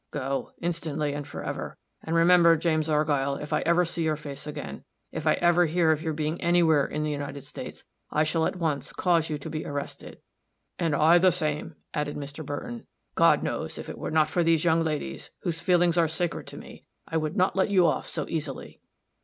"Go, instantly and for ever. And remember, James Argyll, if I ever see your face again, if I ever hear of your being anywhere in the United States, I shall at once cause you to be arrested." "And I, the same," added Mr. Burton. "God knows, if it were not for these young ladies, whose feelings are sacred to me, I would not let you off so easily."